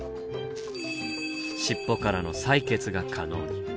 しっぽからの採血が可能に。